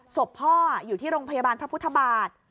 ศพพ่ออยู่ที่โรงพยาบาลพระพุทธบาท